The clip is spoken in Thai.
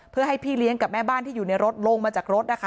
เพื่อให้พี่เลี้ยงกับแม่บ้านที่อยู่ในรถลงมาจากรถนะคะ